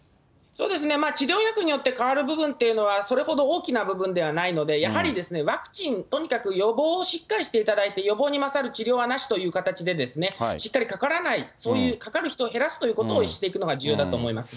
治療薬によって変わる部分というのは、それほど大きな部分ではないので、やはりワクチン、とにかく予防をしっかりしていただいて、予防に勝る治療はなしという形で、しっかりかからない、そういうかかる人を減らすということをしていくのが重要だと思い